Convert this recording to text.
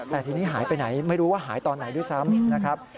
แต่ทีนี้หายไปไหนไม่รู้ว่าหายตอนไหนด้วยซ้ำนะครับ